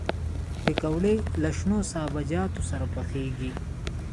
پکورې له شنو سابهجاتو سره پخېږي